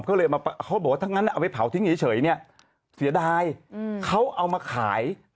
เขาก็เลยมาเขาบอกว่าทั้งนั้นเอาไปเผาทิ้งเฉยเนี้ยเสียดาย